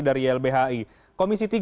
dari ylbhi komisi tiga